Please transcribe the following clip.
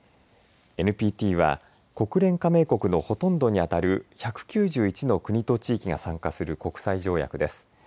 ＮＰＴは国連加盟国のほとんどに当たる１９１の国と地域が参加する国際条約です。